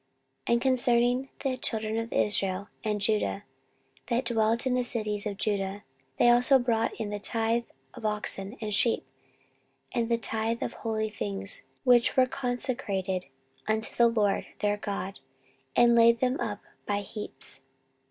14:031:006 And concerning the children of Israel and Judah, that dwelt in the cities of Judah, they also brought in the tithe of oxen and sheep, and the tithe of holy things which were consecrated unto the LORD their God, and laid them by heaps.